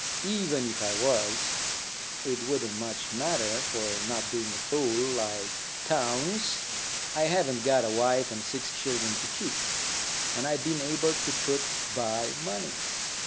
Even if I was, it wouldn't much matter; for, not being a fool, like Townes, I haven't got a wife and six children to keep, and I've been able to put by money.